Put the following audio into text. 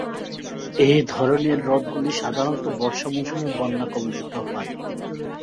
এ ধরনের হ্রদগুলি সাধারণত বর্ষা মৌসুমে বন্যা কবলিত হয়।